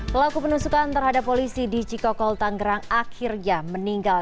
pelaku penusukan terhadap polisi di cikokol tanggerang akhirnya meninggal